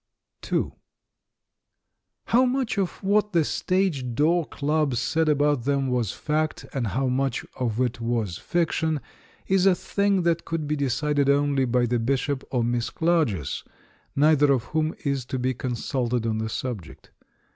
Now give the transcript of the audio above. II How much of what the Stage Door Club said about them was fact and how much of it was fiction, is a thing that could be decided only by the Bishop or Miss Clarges — neither of whom is to be consulted on the subject.